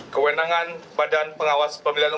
kewenangan badan pengawas pemilihan umum